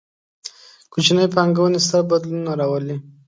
کوچنۍ پانګونې، ستر بدلونونه راولي